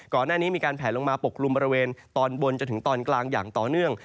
ก่อนหน้านี้มีการแผลลงมาปกกลุ่มบริเวณตอนบนจนถึงตอนกลางอย่างต่อเนื่อง